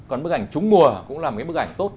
còn bức ảnh trúng mùa cũng là một cái bức ảnh tốt